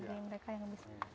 bagi mereka yang bisa